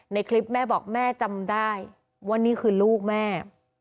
ในคลิปแม่บอกแม่จำได้ว่านี่คือลูกแม่